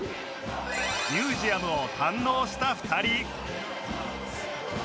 ミュージアムを堪能した２人